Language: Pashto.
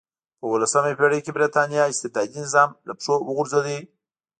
په اولسمه پېړۍ کې برېټانیا استبدادي نظام له پښو وغورځېد.